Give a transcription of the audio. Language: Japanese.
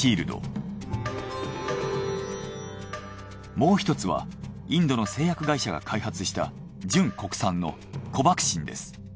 もう１つはインドの製薬会社が開発した純国産のコバクシンです。